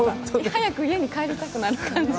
早く家に帰りたくなる感じ。